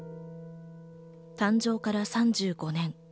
誕生から３５年。